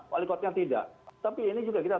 wali kota tidak tapi ini juga kita